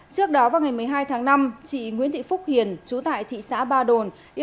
trước đó vào ngày một mươi hai tháng năm chị nguyễn thị phúc hiền chú tại thị xã ba đồn